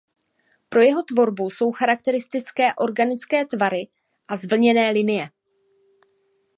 Pro jeho tvorbu jsou charakteristické organické tvary a zvlněné linie.